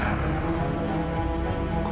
kamu jadi nangis